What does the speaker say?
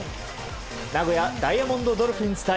名古屋ダイヤモンドドルフィンズ対